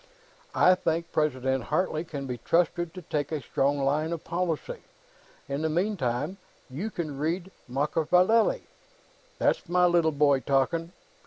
I think President Hartley can be trusted to take a strong line of policy. In the meantime, you can read Machiavelli." "That's my little boy, talking!"